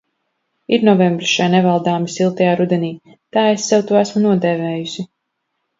Ir novembris šai nevaldāmi siltajā rudenī – tā es sev to esmu nodēvējusi.